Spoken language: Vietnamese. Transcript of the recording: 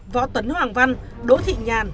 võ tuấn hoàng văn đỗ thị nhàn